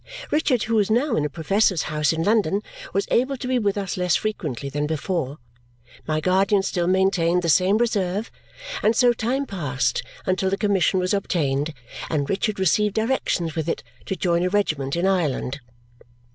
Richard, who was now in a professor's house in London, was able to be with us less frequently than before; my guardian still maintained the same reserve; and so time passed until the commission was obtained and Richard received directions with it to join a regiment in Ireland.